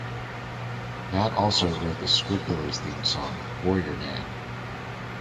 Matt also wrote the "Squidbillies" theme song, "Warrior Man".